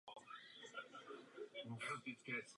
V Evropě je naším základním dopravním prostředkem automobil.